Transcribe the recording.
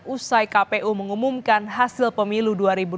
usai kpu mengumumkan hasil pemilu dua ribu dua puluh